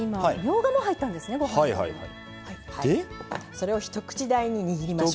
それを一口大ににぎりましょう。